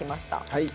はい。